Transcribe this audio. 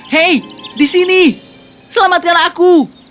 hei disini selamatkan aku